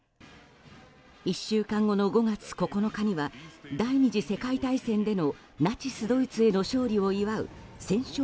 １週間後の５月９日には第２次世界大戦でのナチスドイツへの勝利を祝う戦勝